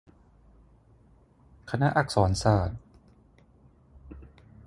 คณะอักษรศาสตร์